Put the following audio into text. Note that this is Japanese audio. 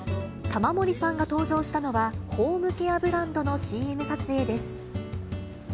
玉森さんが登場したのは、ホームケアブランドのＣＭ撮影です。